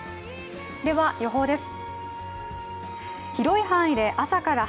では予報です。